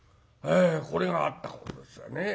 これがあった頃ですがね。